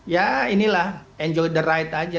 ya inilah enjoy the right aja